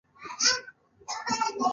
• ژړا د ماتو زړونو اواز دی.